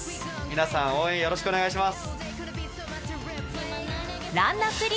皆さん応援よろしくお願いします。